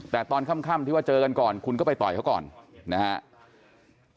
แต่ตอนค่ำที่ว่าเจอกันก่อนคุณก็ไปต่อยเขาก่อนนะครับ